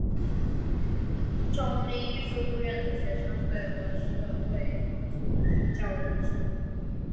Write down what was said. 仲英书院的学生会和社团组织较为完善。